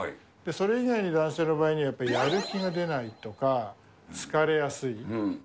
それ以外に男性の場合にはやっぱり、やる気が出ないとか、疲れやすい。